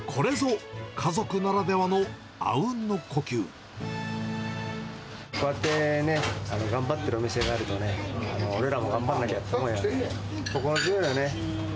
これぞ、こうやってね、頑張ってるお店があるとね、俺らも頑張んなきゃって思う、心強いよね。